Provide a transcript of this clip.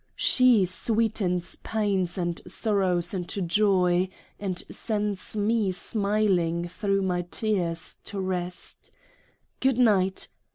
She sweetens Pains and Sorrows into Joy, and sends me smiling (thro' my Tears) to Rest. Good Night